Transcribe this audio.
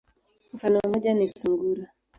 Mfano moja ni sungura.